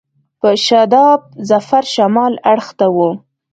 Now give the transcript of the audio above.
په شاداب ظفر شمال اړخ ته و.